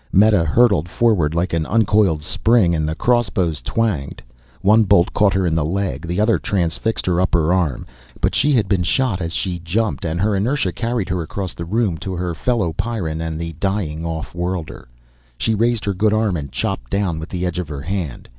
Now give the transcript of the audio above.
Meta hurtled forward like an uncoiled spring and the crossbows twanged. One bolt caught her in the leg, the other transfixed her upper arm. But she had been shot as she jumped and her inertia carried her across the room, to her fellow Pyrran and the dying off worlder. She raised her good arm and chopped down with the edge of her hand.